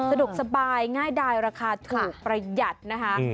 สะดวกสบายง่ายดายราคาถูกประหยัดนะคะ